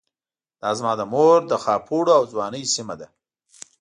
دا زما د مور د خاپوړو او ځوانۍ سيمه ده.